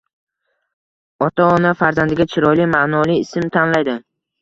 Ota-ona farzandiga chiroyli, ma’noli ism tanlaydi.